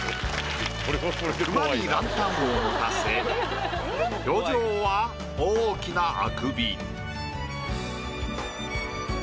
クマにランタンを持たせ表情は大きなあくび。